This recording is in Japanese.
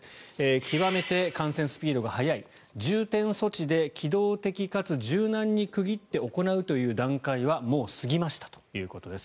極めて感染スピードが速い重点措置で機動的かつ柔軟に区切って行うという段階はもう過ぎましたということです。